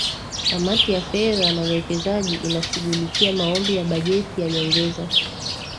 kamati ya fedha na uwekezaji inashughulikia maombi ya bajeti ya nyongeza